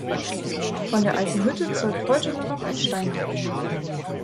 Von der alten Hütte zeugt heute nur noch ein Steinhaufen.